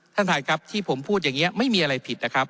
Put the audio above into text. สหรัฐครับที่ผมพูดอย่างเนี้ยไม่มีอะไรผิด